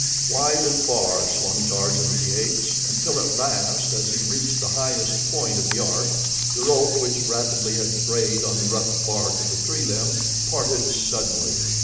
Wide and far swung Tarzan of the Apes, until at last, as he reached the highest point of the arc the rope, which rapidly had frayed on the rough bark of the tree limb, parted suddenly.